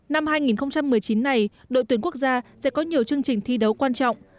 năm hai nghìn một mươi chín này đội tuyển quốc gia sẽ có nhiều chương trình thi đấu quan trọng